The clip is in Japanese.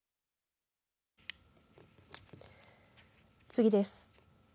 次です。